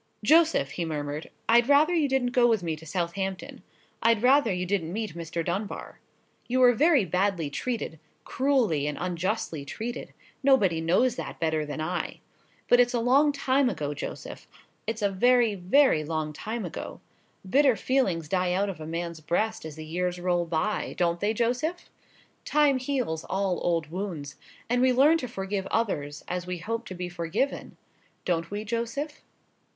"Joseph," he murmured, "I'd rather you didn't go with me to Southampton; I'd rather you didn't meet Mr. Dunbar. You were very badly treated—cruelly and unjustly treated—nobody knows that better than I. But it's a long time ago, Joseph—it's a very, very long time ago. Bitter feelings die out of a man's breast as the years roll by—don't they, Joseph? Time heals all old wounds, and we learn to forgive others as we hope to be forgiven—don't we, Joseph?"